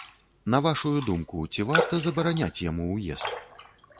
На вашую думку, ці варта забараняць яму ўезд?